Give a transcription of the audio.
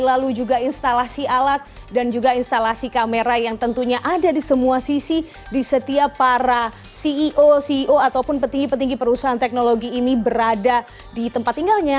lalu juga instalasi alat dan juga instalasi kamera yang tentunya ada di semua sisi di setiap para ceo ceo ataupun petinggi petinggi perusahaan teknologi ini berada di tempat tinggalnya